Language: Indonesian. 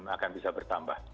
akan bisa bertambah